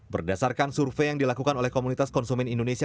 berdasarkan survei yang dilakukan oleh komunitas konsumen indonesia